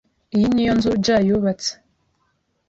Iyi niyo nzu Ja yubatse.